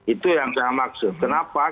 itu yang saya maksud kenapa